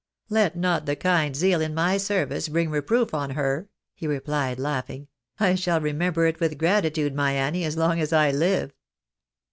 " Let not the kind zeal in my service bring reproof on her," he replied, laughing. " I shall remember it with gratitude, my Annie, as long as I Uve."